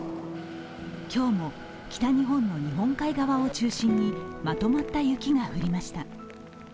今日も北日本の日本海側を中心にまとまった雪が降りました。